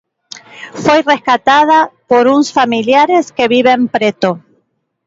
Foi rescatada por uns familiares que viven preto.